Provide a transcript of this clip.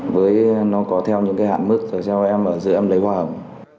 với nó có theo những hạn mức sau em giữ em lấy hoa hồng